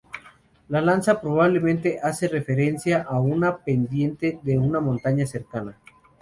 La lanza probablemente hace referencia a una pendiente de una montaña cercana.